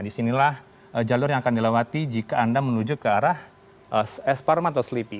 disinilah jalur yang akan dilewati jika anda menuju ke arah esparman atau selipi